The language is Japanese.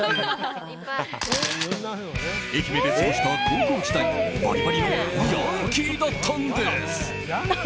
愛媛で過ごした高校時代バリバリのヤンキーだったんです。